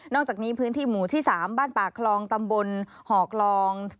อกจากนี้พื้นที่หมู่ที่๓บ้านป่าคลองตำบลห่อกลอง